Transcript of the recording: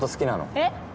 えっ？